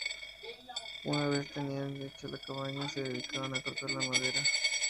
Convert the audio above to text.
Una vez tenían hecha la cabaña, se dedicaban a cortar la madera.